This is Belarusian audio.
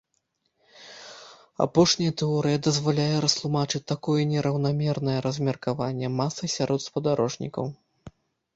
Апошняя тэорыя дазваляе растлумачыць такое нераўнамернае размеркаванне масы сярод спадарожнікаў.